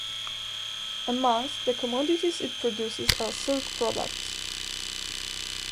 Amongst the commodities it produces are silk products.